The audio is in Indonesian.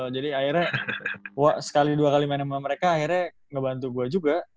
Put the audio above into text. jadi akhirnya wah sekali dua kali main sama mereka akhirnya ngebantu gue juga